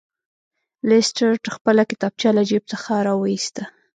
لیسټرډ خپله کتابچه له جیب څخه راویسته.